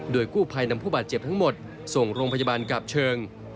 โดยกู้ภัยนำผู้บาดเจ็บทั้งหมดส่งโรงพยาบาลกาบเชิง